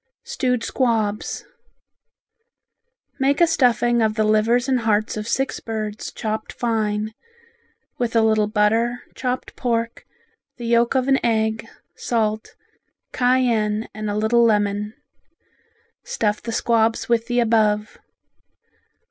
Stewed Squabs Make a stuffing of the livers and hearts of six birds chopped fine, with a little butter, chopped pork, the yolk of an egg, salt, cayenne and a little lemon. Stuff the squabs with the above.